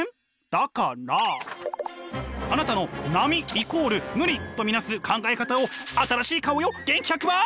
だからあなたの波イコール無理と見なす考え方を新しい顔よ元気１００倍！